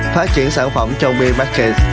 phát triển sản phẩm trong b market